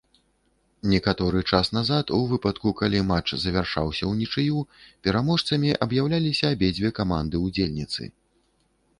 Некаторы час назад у выпадку, калі матч завяршаўся ўнічыю, пераможцамі аб'яўляліся абедзве каманды-ўдзельніцы.